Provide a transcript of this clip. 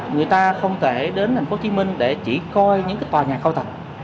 người ta không thể đến thành phố hồ chí minh để chỉ coi những tòa nhà cao tạch